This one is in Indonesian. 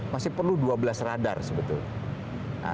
masih perlu dua belas radar sebetulnya